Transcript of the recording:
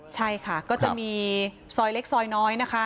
ใช่ค่ะก็จะมีซอยเล็กซอยน้อยนะคะ